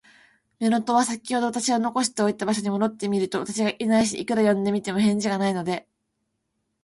乳母は、さきほど私を残しておいた場所に戻ってみると、私がいないし、いくら呼んでみても、返事がないので、